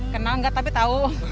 kenal nggak tapi tahu